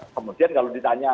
kemudian kalau ditanya